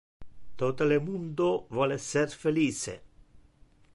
Tote le mundo vole esser felice.